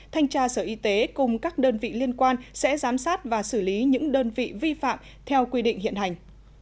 thanh tra sở y tế cùng các đơn vị liên quan sẽ giám sát và xử lý những đơn vị vi phạm theo quy định hiện hành